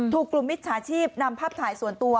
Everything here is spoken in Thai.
ถูกกลุ่มมิจฉาชีพนำภาพถ่ายส่วนตัว